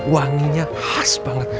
wanginya khas banget